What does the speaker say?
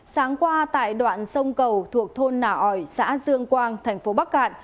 sáng qua tại đoạn sông cầu thuộc thôn nả ổi xã dương quang thành phố bắc cạn